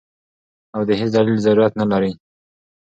او د هېڅ دليل ضرورت نۀ لري -